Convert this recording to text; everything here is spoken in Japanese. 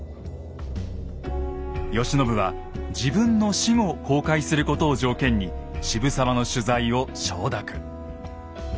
慶喜は自分の死後公開することを条件に渋沢の取材を承諾。